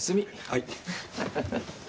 はい。